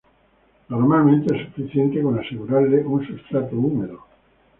Normalmente es suficiente con asegurarle un sustrato húmedo.